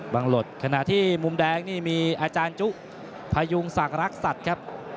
หลดขณะที่มุมแดงนี่มีอาจารย์จุพยุงศักดิ์รักษัตริย์ครับ